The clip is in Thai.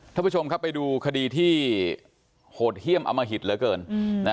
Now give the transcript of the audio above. ท่านผู้ชมครับไปดูคดีที่โหดเยี่ยมอมหิตเหลือเกิน